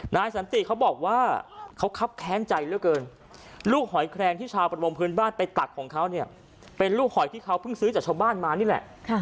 นายสันติเขาบอกว่าเขาคับแค้นใจเหลือเกินลูกหอยแครงที่ชาวประมงพื้นบ้านไปตักของเขาเนี่ยเป็นลูกหอยที่เขาเพิ่งซื้อจากชาวบ้านมานี่แหละ